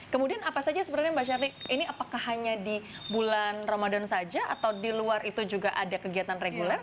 kemudian apa saja sebenarnya mbak shery ini apakah hanya di bulan ramadan saja atau di luar itu juga ada kegiatan reguler